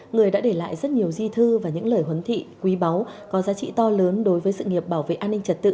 người đã để lại rất nhiều di thư và những lời huấn thị quý báu có giá trị to lớn đối với sự nghiệp bảo vệ an ninh trật tự